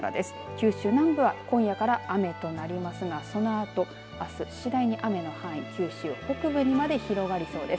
九州南部は今夜から雨となりますがそのあと、あす次第に雨の範囲、九州北部にまで広がりそうです。